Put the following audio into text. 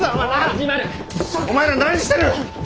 お前ら何してる！